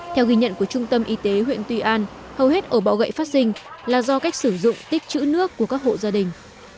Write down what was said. theo ghi nhận của trung tâm y tế huyện tuy an hầu hết ở bọ gậy phát sinh là do cách sử dụng tích chữ nước của các hộ gia đình